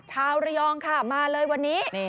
ชาวระยองค่ะมาเลยวันนี้